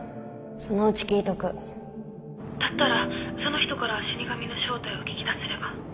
そのうち聞いとくだったらその人から死神の正体を聞き出せれば。